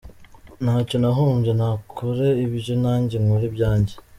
Ntacyo nahombye, nakore ibye nanjye nkore ibyanjye.